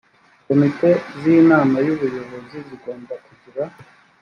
komite z inama y ubuyobozi zigomba kugira